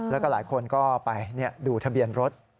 แล้วก็หลายคนก็ไปดูทะเบียนรถ